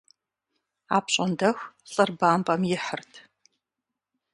Апщӏондэху лӏыр бампӏэм ихьырт.